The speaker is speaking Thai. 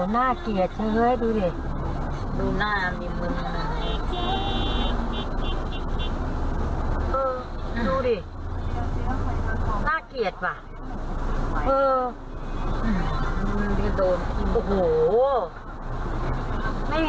นมานอกหน่อย